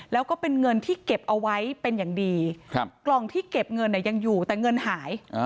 แล้วก็เป็นเงินที่เก็บเอาไว้เป็นอย่างดีกล่องที่เก็บเงินยังอยู่แต่เงินหาย